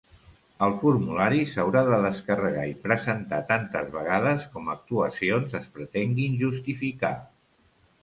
El formulari s'haurà de descarregar i presentar tantes vegades com actuacions es pretenguin justificar.